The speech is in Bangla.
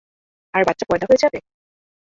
আর বাচ্চা পয়দা হয়ে যাবে?